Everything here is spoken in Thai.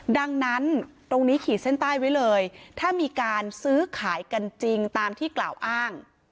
ดังนั้นตรงนี้ขีดเส้นใต้ไว้เลยถ้ามีการซื้อขายกันจริงตามที่กล่าวอ้าง